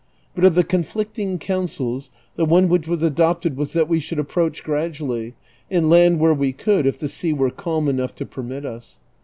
But of the conflict ing counsels the one which was adopted was that we should ap I^roach gradually, and land where we could if the sea were calm enough to permit us.